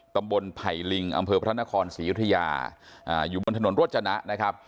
ตำบลไผ่ลิงอำเภอพระนครศรีอยุธยาอยู่บนถนนรวจจนะ